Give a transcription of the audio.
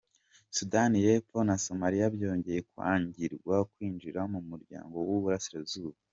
Sudani y’Epfo na Somalia byongeye kwangirwa kwinjira mumuryango wuburasira zuba